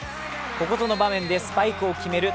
ここぞの場面でスパイクを決める